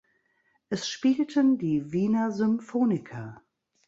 Es spielten die Wiener Symphoniker.